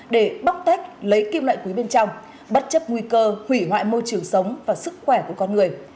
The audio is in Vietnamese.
để bóc tách lấy kim loại quý bên trong bất chấp nguy cơ hủy hoại môi trường sống và sức khỏe của con người